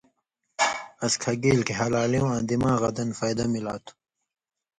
اس کھہ گیلیۡ کھیں ہلالیُوں آں دماغاں دن فائدہ ملا تُھو۔